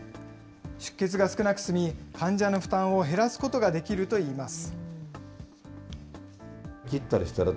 出血が少なく済み、患者の負担を減らすことができるといいます。